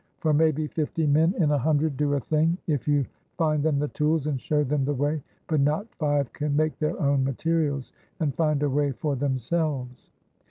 For maybe fifty men in a hundred do a thing, if you find them the tools, and show them the way, but not five can make their own materials and find a way for themselves."